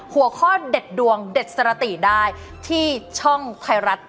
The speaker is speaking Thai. หัวข้อเด็ดดวงเด็ดสรติได้ที่ช่องไทยรัฐ